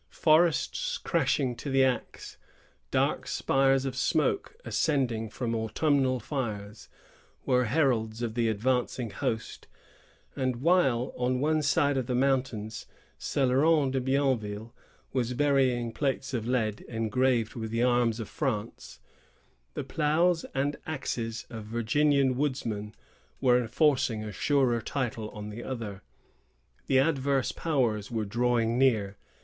Forests crashing to the axe, dark spires of smoke ascending from autumnal fires, were heralds of the advancing host; and while, on one side of the mountains, Celeron de Bienville was burying plates of lead, engraved with the arms of France, the ploughs and axes of Virginian woodsmen were enforcing a surer title on the other. The adverse powers were drawing near.